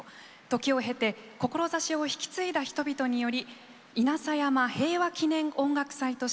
時を経て志を引き継いだ人々により稲佐山平和祈念音楽祭として開催されています。